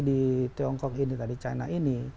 di tiongkok ini tadi china ini